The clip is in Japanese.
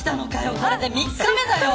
今日で３日目だよ。